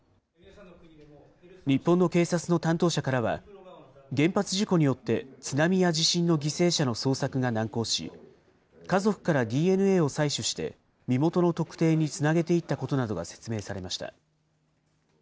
日本の警察の担当者からは、原発事故によって津波や地震の犠牲者の捜索が難航し、家族からＤＮＡを採取して、身元の特定につなげていったことなどが説明されました。